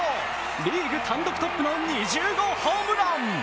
リーグ単独トップの２０号ホームラン。